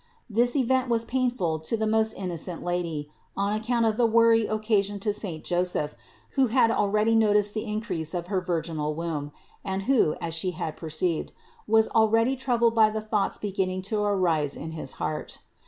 This event was painful to the most innocent Lady, on account of the worry occasioned to saint Joseph, who had already noticed the increase of THE INCARNATION 295 her virginal womb, and who, as She had perceived, was already troubled by the thoughts beginning to arise in his heart.